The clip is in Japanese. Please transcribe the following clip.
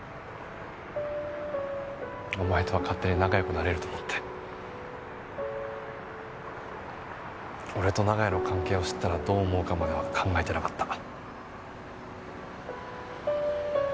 お前とは勝手に仲良くなれると思って俺と長屋の関係を知ったらどう思うかまでは考えてなかった。